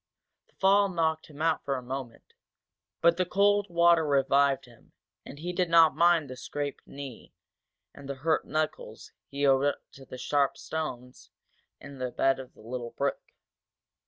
The fall knocked him out for a moment, but the cold water revived him and he did not mind the scraped knee and the hurt knuckles he owed to the sharp stones in the bed of the little brook.